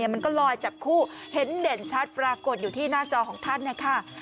มันก็ลอยจับคู่เห็นเด่นชัดปรากฏอยู่ที่หน้าจอของท่านนะคะ